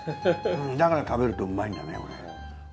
だから食べるとうまいんだねこれ。